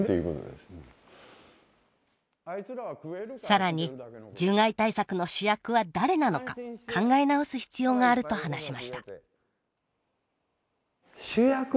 更に獣害対策の主役は誰なのか考え直す必要があると話しました。